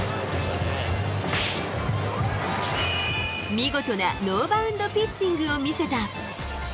見事なノーバウンドピッチングを見せた。